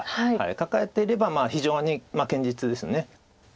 カカえていれば非常に堅実です。